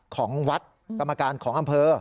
ของวัดกรรมการของอำเภอ